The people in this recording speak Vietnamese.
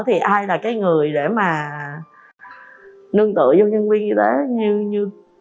thì ai là cái người để mà nương tựa cho nhân viên như thế